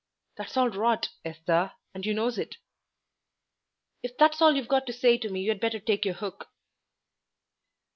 "That's all rot, Esther, and you knows it." "If that's all you've got to say to me you'd better take your hook."